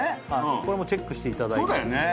これもチェックしていただいてそうだよね